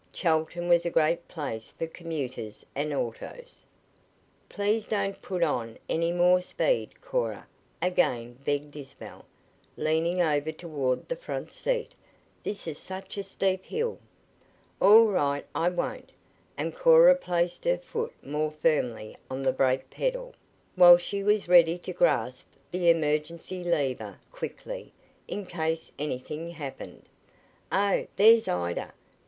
Chelton was a great place for commuters and autos. "Please don't put on any more speed, Cora," again begged Isabel, leaning over toward the front seat. "This is such a steep hill." "All right, I won't," and Cora placed her foot more firmly on the brake pedal, while she was ready to grasp the emergency lever quickly, in case anything happened. "Oh, there's Ida!"